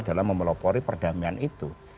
dalam memelopori perdamaian itu